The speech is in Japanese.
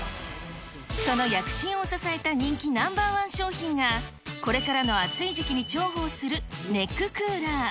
その躍進を支えた人気Ｎｏ．１商品が、これからの暑い時期に重宝するネッククーラー。